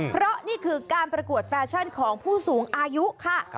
เพราะนี่คือการประกวดแฟชั่นของผู้สูงอายุค่ะ